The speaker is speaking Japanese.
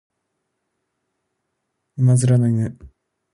馬面の犬